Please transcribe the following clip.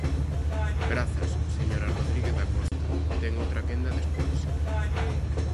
Grazas, señora Rodríguez Dacosta, ten outra quenda despois.